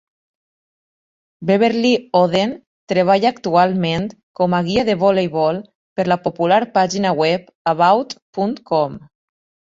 Beverly Oden treballa actualment com a guia de voleibol per la popular pàgina web About.com.